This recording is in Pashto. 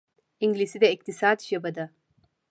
انګلیسي د اقتصاد ژبه ده